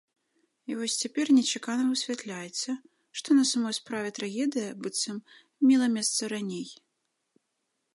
І вось цяпер нечакана высвятляецца, што на самай справе трагедыя, быццам, мела месца раней.